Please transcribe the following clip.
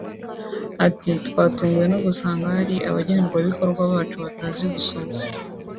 Ati “Twatunguwe no gusanga hari abagenerwa bikorwa bacu batazi gusoma